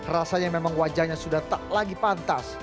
rasanya memang wajahnya sudah tak lagi pantas